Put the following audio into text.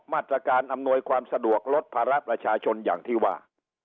มาตรการอำนวยความสะดวกลดภาระประชาชนอย่างที่ว่า